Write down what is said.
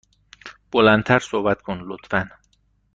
بلند تر صحبت کن، لطفا.